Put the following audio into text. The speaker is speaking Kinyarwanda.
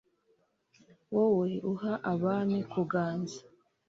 wowe uha abami kuganza